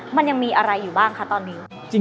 มันยังมีอะไรอยู่บ้างคะตอนนี้